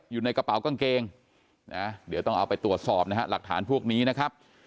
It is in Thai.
อยู่ในกระเป๋ากางเกงนะเดี๋ยวต้องเอาไปตรวจสอบนะฮะหลักฐานพวกนี้นะครับ